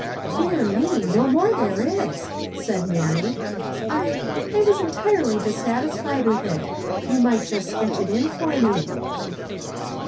"Dear me, no more there is," said Mary. "I I was entirely dissatisfied with it. You might just sketch it in for me."